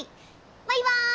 バイバイ！